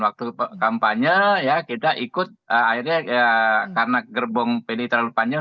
waktu kampanye ya kita ikut akhirnya ya karena gerbong pdi terlalu panjang